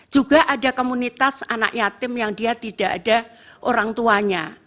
juga ada komunitas anak yatim yang dia tidak ada orang tuanya